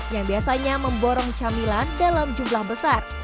yang biasanya memborong camilan dalam jumlah besar